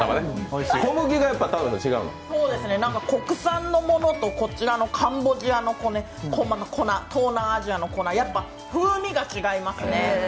国産のものとこちらのカンボジアの粉、東南アジアの粉はやっぱ風味が違いますね。